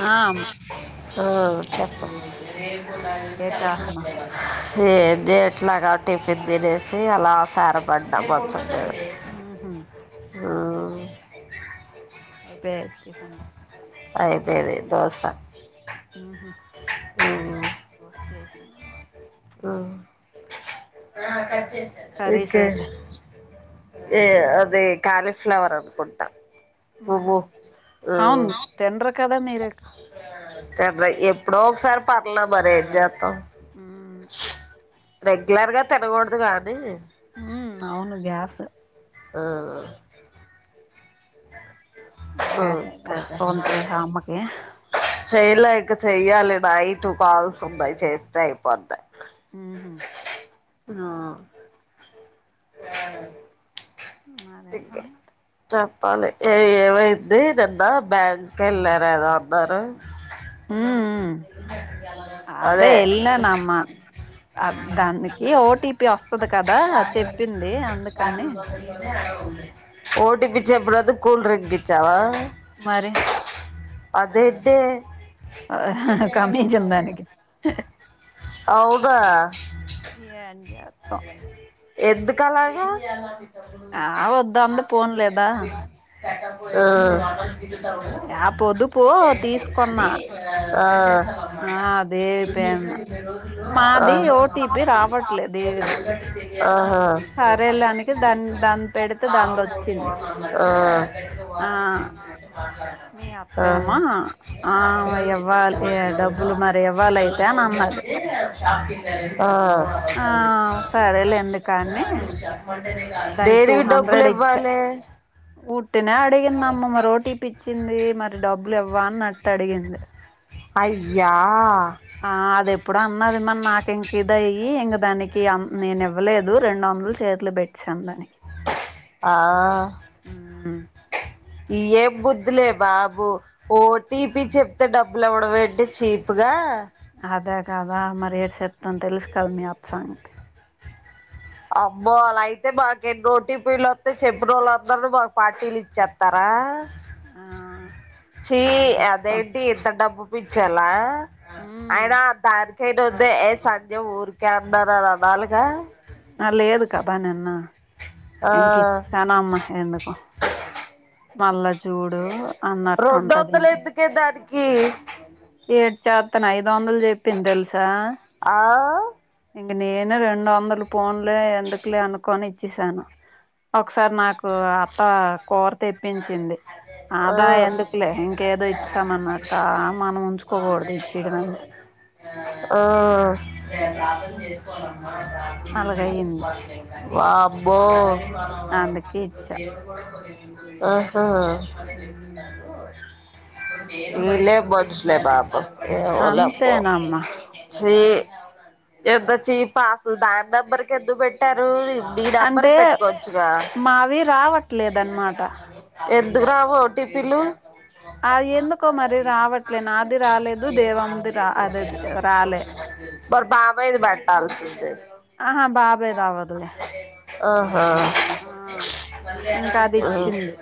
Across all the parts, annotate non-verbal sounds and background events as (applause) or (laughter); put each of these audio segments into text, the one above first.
ఆ అమ్మ ఆ చెప్ ఏడ్ చేస్తున్నా (unintelligible) ఏది ఏట్లాగా టిఫిన్ తినేసి అలా సారపడ్డ (unintelligible) ఆహా ఆ అయితే టిఫిన్లు అయిపోయేది దోశ అహా అ వచ్చేసిందనుమాట (unintelligible) ఇ కర్రీస్ అయితే (unintelligible) ఏ అదే కాలీఫ్లవర్ అనుకుంటా పువ్వు అవును ఉమ్, తిన్ర కదా మీరు ఎప్పుడో ఒకసారి పార్ల మరి ఎంచే హ్మ్ రెగ్యులర్ గా తినకూడదు కానీ ఉ అవును గ్యాస్ ఆ ఇంకా అదేరా ఓకే ఫోన్ చేసావా అమ్మ కి చేయాలా చెయ్యాలి నైట్ కాల్స్ ఉన్నాయి చేస్తే అయిపోయిది హ్మ్మ్ ఆ ఆ మరేం సంగతులు ఏ ఏమైంది నిన్న బ్యాంక్ వెళ్ళారు ఏదో అన్నారు హ అదే వెళనమ్మ దానికి ఓటీపి వస్తుది కదా చెప్పింది అందుకని ఓటీపీ చేపినందుకు కూల్ డ్రింక్ ఇచ్చావా మరి అదేంటే కమిషన్ దానికి అవునా ఎంచే ఆ ఎందుకు అలాగా ఆ వాదు అంది ఫోన్ లేదా ఆ ఆ పొదుపు తీసుకున్నా ఇ అ ఆ ఆ అదే పని మాది ఓటీపి రావట్లేదు అదేవిద ఆ దాని పెడితే దానిది వచ్చింది ఆ మీ అత్తేమో ఆ ఇవ్వాలి డబ్బులు మరి ఇవ్వాలయితే అని అన్నది హ ఆ సరే ఎందుకు అని దానికి టూ దేనికి డబ్బులు హండ్రెడ్ ఇచ్చా ఇవ్వాలే ఉట్టినే అడిగిందామా మరి ఓటీపీ ఇచ్చింది మరి డబ్బు లెవా అనట్టు అడిగింది అయ్యా ఆ అది ఎప్పుడ అన్నది మన నాకు ఇంక ఇద అయ్యి ఇంక దానికి నేను ఇవ్వలేదు రెండు వందలు చేతులు పెట్టేసాను దానికి ఆ మ్ ఏం బుద్ధులే బాబు ఓటీపి చెప్తే డబ్బులువ్వడం ఏంటి చీప్ గా అదే కాదా మరి ఏడు చెప్తాను తెలుసు కాద మీ అత్త సంగతి అమ్మోలా అయితే మాకు ఎన్ని ఓటిపి లు వత్తయి చెప్పిన వాళ్ళుందరునీ మాకు పార్టీలు ఇచ్చేస్తారా ఆ చ్చీ ఏం చెప్తాం అదేంటి ఎంత డబ్బు పచ్చలా మ్ అయనా దారి ఏటి వద్దే ఏ సంధ్య ఊరికే అన్నారురని అనలుగా అ లేదు కదా నిన్న ఆ ఇంకా ఇచ్చేసాను అమ్మ ఎందుకో మల్ల చూడు అన్నట్టు ఉంటది ఇంకా కీ ఏడ్చ చెత్తను ఐదు వందలు చెప్పింది తెలుసా ఆ ఇంక నేను రెండు వందలు ఫోన్లే ఎందుకులే అనుకని ఇచ్చేసాను ఒకసారి నాకు అత్త కోరు తెప్పించింది ఆ ఆదా ఎందుకులే ఇంకేదో ఇచ్చామన్నట్ మనం ఉంచుకోకూడదు ఇచ్చడంత ఆ అలాగయ్యింది వామ్ బో అందుకే ఇచ్చా దేవుడు కూడా (unintelligible) ఆ ఆ ఇలే బడుసులే బాబు ఏవో లే అమ్మో అంతేనమ్మా సే ఎంత చీ పాసు దాన్ నంబర్కి ఎందు పెట్ అంటే మావి రావట్లేదన్నమా ఎం దుకు రావు ఓటిపిలు అది ఎందుకో మరి రావట్లే నాది రాలేదు దేవమ్మది రా అదది రాలే మరి బాబాయిది పెట్టాల్సింది ఆహా బాబేది అవ్వదులే ఆ ఆ ఇంకా అది ఆ హ్ ఇచ్చింది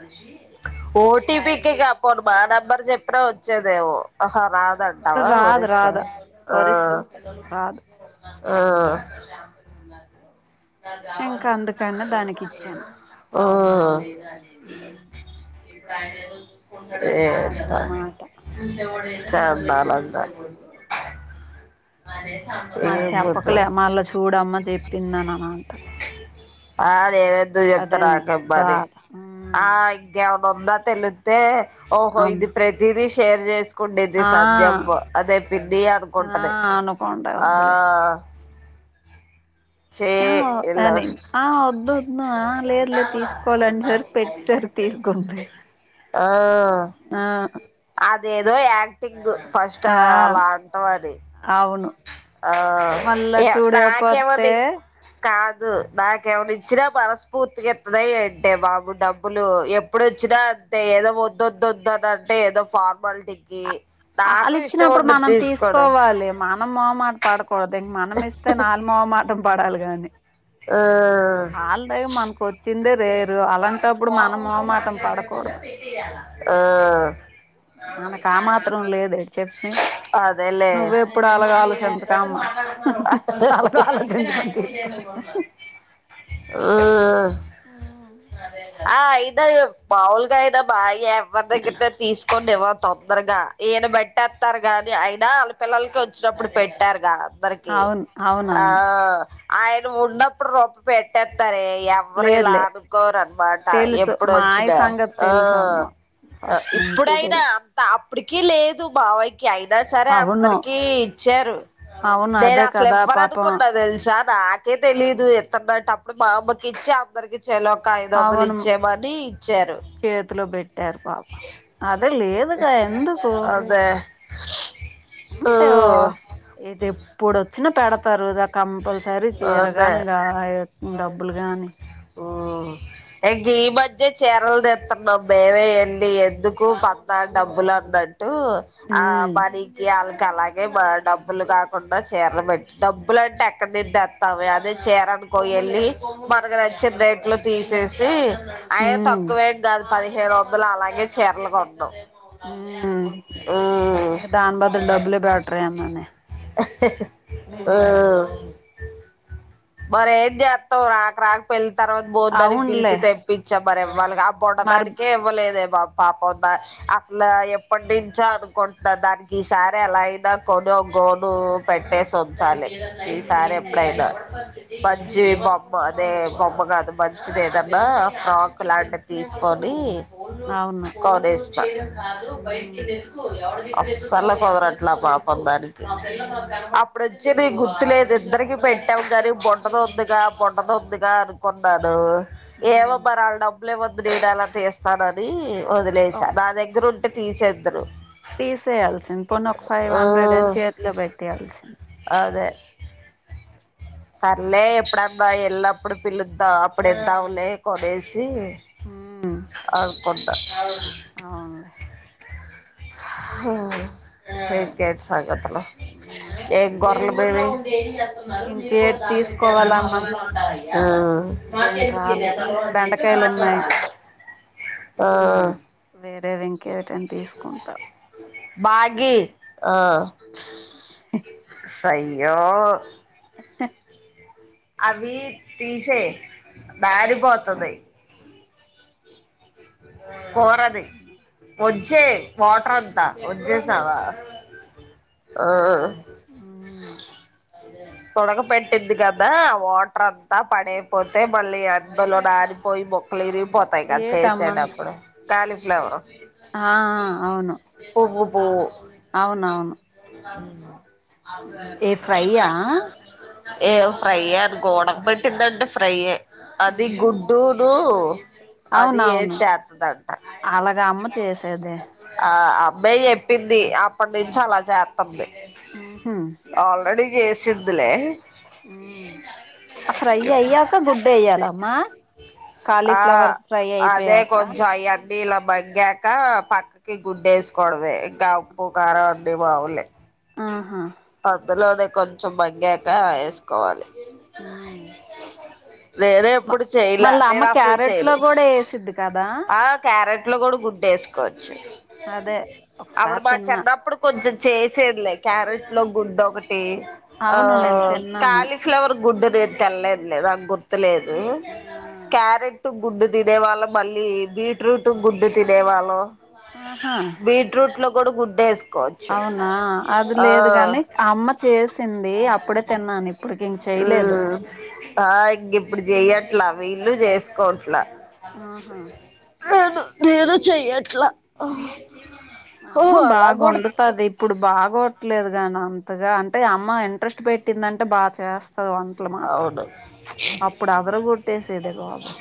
ఓటీపీకేగాపోను మా నంబర్ చెప్పిన వచ్చేదేమో ఆహా రాద్ దంటావా రాదు ఒరిస్సా రాదు ఆ ఒరిస్సా రాదు ఆ నాక్ ఇంకా అందుకనే దానికి కావాల్సింది ఇచ్చాను ఆ (inaudible) టైం అదనమాట టేబుల్స్ ఏంటో చందాలంద మరీ చెప్పకులే మళ్ళా చూడమ్మ చెప్పిందని అని అంటది ఆ నేను ఎందుకు చెప్తా అదేను నాకేం పని బాధ ఉమ్ ఆ ఇంకే ఉందా తేలుత్తే ఓహో అమ్మ ఇది ప్రతిది షేర్ చేస్ కుండేది ఆ సధ్యమ్ అదే పిన్ని అనుకుంటది అనకుండా ఆ వద్దులే చే ఆ ఇలా అది ఆ వద్దు వద్దు లేదు లేదు తీసుకోవాలన్సారి పెట్సరి తీసుకోకుంటే ఆ ఏదో యాక్టింగ్ ఫస్ట్ ఆ అలా అంటం అది అవును ఆ మళ్ళా చూడకపోతే నాకేముంది క నాకేమన్న ఇచ్చినా మనస్ఫూర్తిగా ఇతధ ఏంటి బాబు డబ్బులు ఎప్పుడోచ్చినా అంతే ఏదో వద్దొదుదు అని అంటే ఏదో ఫార్మాలిటీకి వాళ్ళు నాకు ఇష్టం ఇచ్చినప్పుడు ఉండదు మనం తీసుకోవడం తీసుకోవాలి మనం మొహమాట పాడు పొదేంగ్ మనమిస్తే నాల్ మొహమాటం పడాలి గాని ఆ మనకు వచ్చిందే రేరు అలాంటప్పుడు మనం మోమాటం పడకూడదు ఆ మనకు ఆ మాత్రం లేదు చెప్పి అదేలే నువ్వ ఎప్పుడు అలాగ ఆలోచించకమ్మా అలాగ ఆలోచించుకొని తీసుకోడి ఆ ఆ ఏ మామూలుగా అయినా బాయ్ ఎవరి దగ్గర తీసుకోండి వా తొందరగా ఈయన పెట్టేత్తరు గానీ అయినా వాళ్ళ పిల్లలకి వచ్చినప్పుడు పెట్టారు గా రికి అవును ఆ అవునవును ఆయ్ నువ్ ఉనప్పుడు రొప్ప పెట్టత్తారే ఎవరు లేదు ఇలా లే అనుకోరు అన్నమాట తెలుసు ఎప్పుడు మా ఆయ వచ్చిన సంగతి తెలుసు అమ్మ ఆ ఫస్ట్ నుంచి ఇప్పుడైనా తెలుసు అంత అప్పటికి లేదు బావైకి అయినా సరే అవును అందరికి ఇచ్చారు అవును నేను అదే అసలు కదా పాపం ఎవ్వరనుకున్నా తెలుసా (unintelligible) కే తెలీదు ఎత్తనటప్పుడు మా అమ్మకి ఇచ్చి అందరికి ఇచ్చేలో ఒక ఐదు వందలు అవును ఇచ్చేయమని ఇచ్చారు చేతిలో పెట్టారు పాప అదే లేదుగా ఎందుకు అదే ఉంటావ ఇది ఎప్పుడు చిన్న పేడతారు కంపల్సరీ ఆ చీర అదే గాని (unintelligible) డబ్బులు గాని ఇంక ఈ మధ్య చీరలు తెతున్నాం మేమే ఎళ్ళి ఎందుకు పద్ద డబ్బులు అద్దా టు ఆ ఉమ్ పనికి అలాగే మా డబ్బులు కాకుండా చీరలు పెట్టి డబ్బులు అంటే అక్కడి నుండి తెత్తము అదే చేరనుకో ఎళ్ళి మనకు నచ్చిన రేట్ లో తీసేసి అయ ఉమ్ తక్కువేం గాదు పదిహేడు వందలు అలాగే చీరలు కొట్నం మ్మ్ ఇంగ దాన్ బదుల్ డబ్బులే బెటర్ రేమోనే మరేం జేత్తవు రాక రాక పెళ్ తర్వాత బోన్ దారికి పిల్చి అవునులే తెప్పించాం బరే వ ఆ మరి బుడ్డదానికే ఇవ్వలేదు ఏం పాపందా అసలు ఎప్పటి నుంచో అనుకుంటున్న దానికి ఈ సారి ఎలా అయినా కొను గోను పెట్టేసి ఉంచాలి ఈసారి ఉమ్ ఎప్పుడైన మంచి బొమ్మ అదే బొమ్మ కాదు మంచిది ఏదన్నా ఫ్రాక్ లాంటివి తీసుకొని అవును కొనిస్త ఉమ్ అస్సలే కుదరట్ల పాపం దాని ఉమ్ అప్పుడు (unintelligible) గుర్తులే ఇద్దరికి పెట్టావు గరు బుడ్డది ఉందిగా బుడ్డది ఉందిగా అనుకున్నాను ఏవో ఉమ్ మరాల డబ్ లే వద్దులే నేనెలా చేస్తానని ఓ వదిలేస నా దగ్గర తీసేద్రు తీసేయాల్సింది పోనీ ఒక ఫైవ్ హండ్రెడ్ అని చేతిలో పెట్టేయాల్సింది అదే సర్లే ఎప్పుడబ పెల్లప్పుడు పిలుద్దా అప్పుడు ఇదమ్లె ఉమ్ (unintelligible) అ కొడ్ద అవునులే (unintelligible) (unintelligible) ఏ ఇంకేటి తీసుకోవాలమ్మా ఇంకేంటి రాలేదు బెండకాయలు ఉన్నాయి ఆ వేరే వెంకేటం తీసుకుంటా బాగీ ఉ సయ్యో ఎ అవి తీసే దారిపోతది ఆ పోరదు చే వాటర్ అంతా వచేసావ తోడక పెంట ఇది క ఏ వాటర్ త పడేపోతే మళ్ళీ అద్ దల డాడీ పోయ్ బో మల్ల ఇరిగిపోతాయ్ కదా చెయ్ ఏటమ్మా సెడ్ప్పుడు కాలిఫ్లవర్రు ఆ అవును ఏ అవునవును అవును ఏ ఫ్రైయా ఏ ఫ్రై ఏ అనుకో ఉడకబెట్టింది అంటే ఫ్రై ఏ అది గుడ్డుూలు అద్ ఆది అవునవును ఏసెతదీ అంట అలాగ అమ్మ చేసేదే ఆ ఆ బై పెటింది అప్పటి నుంచి అలా చేతంది. ఉహు ఆల్రెడీ ఏసిందిలే ఆ ఫ్రై అయ్యాక గుడ్డ వేయ్యాలమ్మా ఆ కాలీఫ్లవర్ ఫ్రై అదే అయిపోయాక కొంచం అయక నీలం మగ్గాక పక్కకి గుడ్ ఏసుకోవదమే ఇంకా ఉప్పు కారం అని మాములే ఆహా అందులోనే కొంచెం మగ్గాక ఏసుకోవాలి. ఉమ్ నేను మ ఎప్పుడు చేయ్లా, నేను అసలు చెయను తీద్ కాదా? కోడి గుడ్ ఏసుకో అప్పుడు ఒకసారి మా తిన్నా చిన్నప్పుడు కొంచెం చేసేదిలే క్యారెట్ లో గుడ్ ఒకట్ టి ఆ అవును నేను తిన్నాను కాలీఫ్లవర్ గుడ్డు నెన్ తిన్ లేదు నక్ గుర్తులేదు. ఉమ్ ఆ క్యారెట్ గుడ్ తినే వాళ్ళం మళ్ళీ బీట్రూట్ గుడ్డు తినేవాళ్ళం ఆహా బీట్రూట్ లో కూడా గుడ్డెస్ కోవచ్చు అవునా అది ఆ లేదు గాని ఆ అమ్మ చేసింది అప్పుడే తిన్నాను ఇప్పుడుకి ఇంక చేయలేదు ఉమ్ ఆ ఇంగా ఇప్పుడు చెయ్ చెయట్లా వి ఇల్లు చేసుకోట్లా ఆహా అవును నేను చెయ్యట్లా ఓ అమ్మ అలా బాగా కూడా వండుతది ఇప్పుడు బాగా ట్ల్ లేదు గాని అంతగా అంటే అమ్మ ఇంట్రెస్ట్ పెట్టిందంటే బాగా చేస్ అవును అప్పుడు అదరగొట్టేసేదే బాబు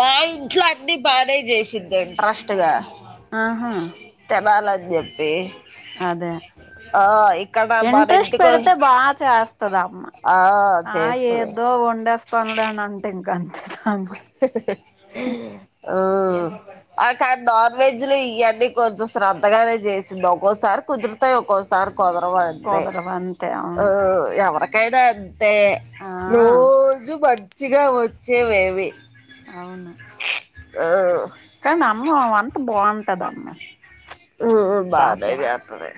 మాా ఇంట్లో అన్నీ బానే చేసింది ఇంట్రెస్ట్గా ఆహా ఆన్ చెప్పి అదే ఆ ఇక్కడ మన ఇంట్రెస్ట్ ఇంటికి పెడితే బాగా చేస్తద అమ్మ ఆ ఆ చేస్తది ఏదో వండేస్తంలే అని అంటే ఇంకా అంతే సా ఉమ్ కానీ నాన్ వెజ్లు ఇవన్నీ కొంచెం శ్రద్ధగానే చేసింది ఒక్కోసారి కుదురుతాయి ఒక్కోసారి కొదరవంతె కుదరవు అంతే అవును ఉమ్ ఎవర నేను అంతే ఆ రోజు బ మచ్చిగా వచ్చేవేవి అవును ఆ కానీ అమ్మ వన్ బాగుంటది అమ్మా బాగా బానే చేస్తారు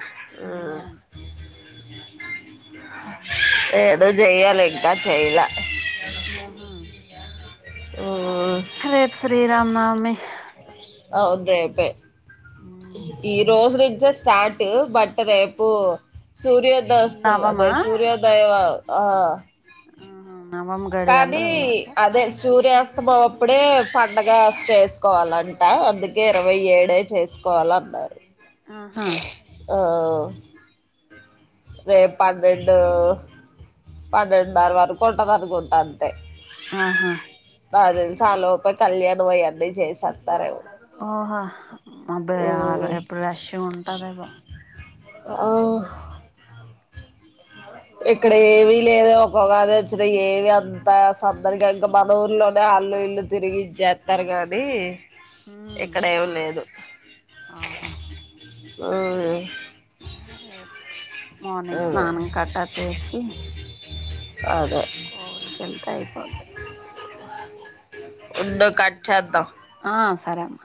అ ఏదో చెయ్యాలి ఇంకా చేయలా ఆహా అవును రేపు శ్రీరామా నావ మీ అవును రేపే ఉమ్ ఈ రోజు (unintelligible) స్టార్ట్ బట్ట రేపు సూర్యోదయస్త నవమా (unintelligible) సూర్యోదయ ఆ ఆహా నవం గడియాలు కాది అదే సూర్యా (unintelligible) అప్పుడే పండగ చేసుకోవాలంటే అందుకే ఇరవై ఏడే చేసుకోవాల అన్నారు. ఆహా ఆ రేపన్నెండు పన్నెండున్నర వరకు ఉంటంది అనుకుంటాను ఆహా నాకు తెలిసి అలోపే కళ్యాణ అనువన్నీ చేసాను ఓహో అబ్బాయి ఎప్పుడు రష ఉంటదవో ఆ ఇక్కడ ఉమ్ ఏవీ లేదు ఉగాది వచ్చిన ఏవి అంతా సందరిగా ఇంకా మన ఊర్లోనే అల్లు ఇల్లు తిరిగిచ్చేస్తారు గాని ఉమ్ ఇక్కడ ఏమి లేదు ఆహా హు రే మార్నింగ్ అదే స్నానం కట్ట చేసి అదే కోవుళకి వెళ్తా అయిపోంది. ఉండు కాట్ చేదాం ఆ సరే అమ్మ